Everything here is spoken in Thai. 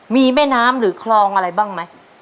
มีแม่น้ำหรือคลองอะไรบ้างไหม